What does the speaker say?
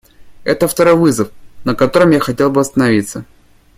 Это второй вызов, на котором я хотел бы остановиться.